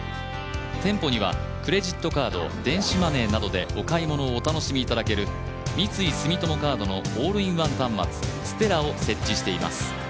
店舗にはクレジットカード電子マネーなどでお買い物をお楽しみいただける三井住友カードのオールインワン端末ステラを設置しております。